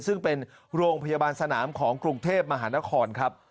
ซึ่งเป็นโรงพยาบาลสนามของกรุงเทพมหานครครับ